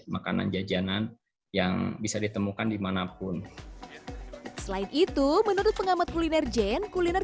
makanan jajanan yang bisa ditemukan dimanapun selain itu menurut pengamat kuliner jane kuliner